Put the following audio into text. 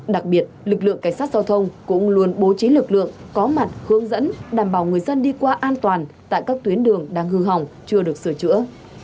đặc biệt lực lượng cảnh sát giao thông cũng luôn bố trí lực lượng có mặt hướng dẫn đảm bảo người dân đi qua an toàn tại các tuyến đường đang hư hỏng chưa được sửa chữa